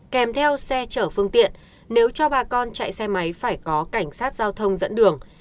kèm theo xe chở phương tiện nếu cho bà con chạy xe máy phải có cảnh sát giao thông dẫn đường